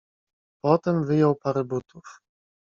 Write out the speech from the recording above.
"Potem wyjął parę butów."